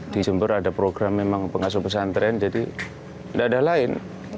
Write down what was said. di jember ada program memang pengasuh pesantren jadi tidak ada lain